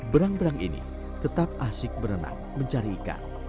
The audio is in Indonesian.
berang berang ini tetap asik berenang mencari ikan